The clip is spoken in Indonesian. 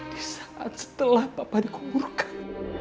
di saat setelah papa dikuburkan